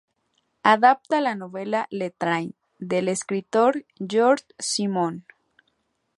Adapta la novela "Le train" del escritor Georges Simenon.